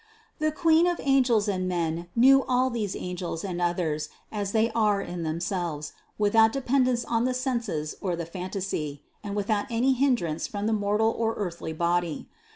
The Queen of angels and men knew all these angels and others as they are in themselves, without dependence upon the senses or the phantasy, and without any hin drance from the mortal or earthly body.